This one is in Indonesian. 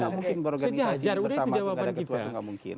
gak mungkin berorganisasi bersama dengan ketua itu gak mungkin